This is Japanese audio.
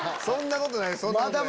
そんなことない！